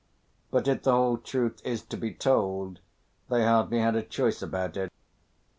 But if the whole truth is to be told, they hardly had a choice about it.